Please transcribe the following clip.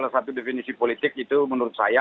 satu definisi politik itu menurut saya